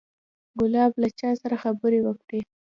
ګلاب له چا سره خبرې وکړې.